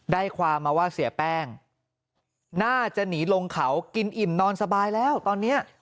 ได้ความมาว่าเสียแป้งน่าจะหนีลงเขากินอิ่มนอนสบายแล้วตอนนี้